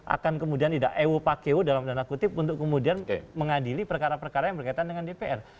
akan kemudian tidak ewo pakeo dalam dana kutip untuk kemudian mengadili perkara perkara yang berkaitan dengan dpr